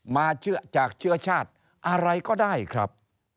มาจากเชื้อชาติอะไรก็ได้ครับ